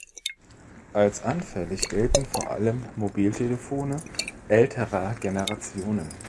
Als anfällig gelten vor allem Mobiltelefone älterer Generationen.